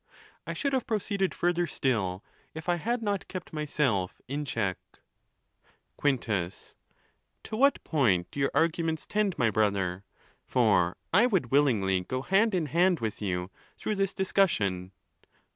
I should have proceeded further still, if I had not kept myself in check. XX. Quintus.—To what point do your arguments tend, my brother !—for I would willingly go hand in hand with you through this discussion.